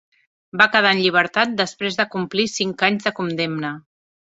Va quedar en llibertat després de complir cinc anys de condemna.